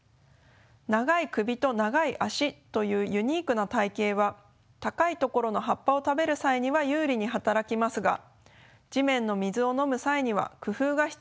長い首と長い脚というユニークな体形は高い所の葉っぱを食べる際には有利に働きますが地面の水を飲む際には工夫が必要となります。